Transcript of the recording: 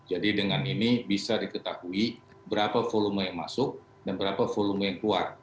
jadi dengan ini bisa diketahui berapa volume yang masuk dan berapa volume yang keluar